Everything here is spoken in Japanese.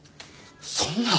そんな！